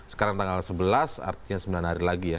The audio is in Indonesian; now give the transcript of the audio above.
sekarang tanggal sebelas artinya sembilan hari lagi ya